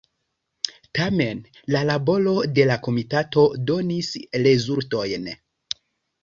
Tamen la laboro de la komitato donis rezultojn.